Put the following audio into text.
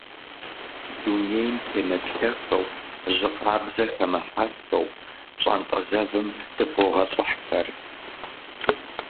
Дунейм темыплъэхэу, жьы къабзэ хэмыхьэххэу пщӀантӀэ зэвым дыбогъэлӀыххэр.